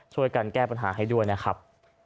ช่วยกันแก้ปัญหาให้ด้วยนะครับ